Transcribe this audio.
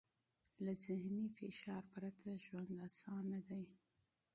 له ذهني فشار پرته ژوند اسان دی.